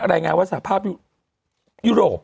อะไรไงว่าสหภาพยุโรป